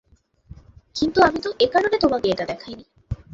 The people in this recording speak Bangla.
কিন্তু আমি তো এ কারণে তোমাকে এটা দেখাইনি।